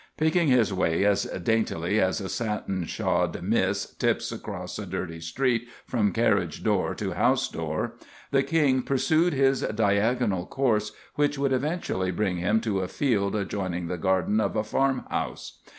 Picking his way as daintily as a satin shod miss tips across a dirty street from carriage door to house door, the King pursued his diagonal course, which would eventually bring him to a field adjoining the garden of a farm house.